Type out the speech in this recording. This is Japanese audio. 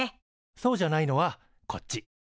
そうじゃないのはこっち。